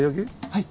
はい。